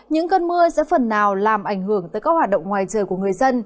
những cơn mưa sẽ phần nào làm ảnh hưởng tới các hoạt động ngoài trời của người dân